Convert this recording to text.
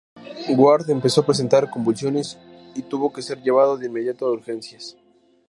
Ward empezó a presentar convulsiones y tuvo que ser llevado de inmediato a urgencias.